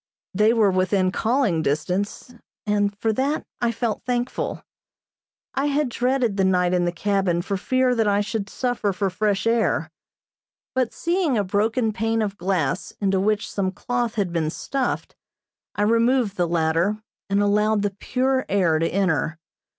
They were within calling distance, and for that I felt thankful. I had dreaded the night in the cabin for fear that I should suffer for fresh air, but seeing a broken pane of glass into which some cloth had been stuffed, I removed the latter, and allowed the pure air to enter.